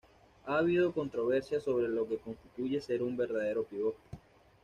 Ha habido controversia sobre lo que constituye ser un "verdadero pívot".